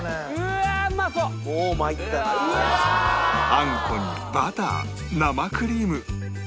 あんこにバター生クリーム